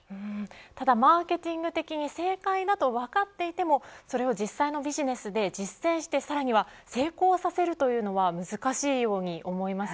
ただ、マーケティング的に正解だとわかっていてもそれを実際のビジネスで実践してさらには成功させるというのは難しいように思います。